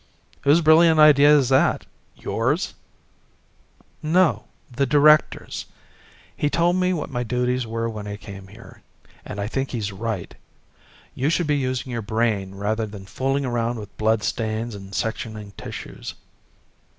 "Whose brilliant idea is that? Yours?" "No the Director's. He told me what my duties were when I came here. And I think he's right. You should be using your brain rather than fooling around with blood stains and sectioning tissues."